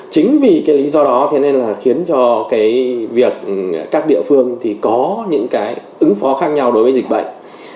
chính vì cái lý do đó thế nên là khiến cho cái việc các địa phương thì có những cái ứng phó khác nhau đối với dịch bệnh